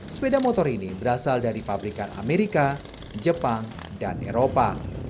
sepeda motor ini berasal dari pabrikan amerika jepang dan eropa